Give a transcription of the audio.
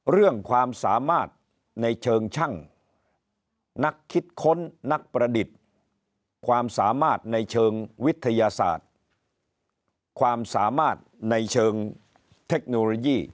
เรื่องความสามารถในเชิงช่างนักคิดค้นนักประดิษฐ์ความสามารถในเชิงวิทยาศาสตร์ความสามารถในเชิงเทคโนโลยี